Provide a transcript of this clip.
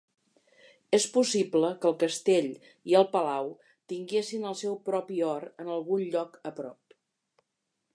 És possible que el castell i el palau tinguessin el seu propi hort en algun lloc a prop.